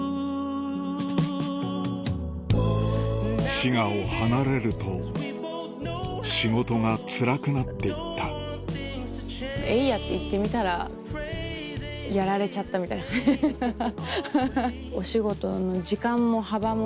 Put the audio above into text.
滋賀を離れると仕事がつらくなっていったえいや！って行ってみたらやられちゃったみたいなハハハハ。